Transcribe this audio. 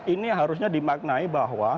ini harusnya dimaknai bahwa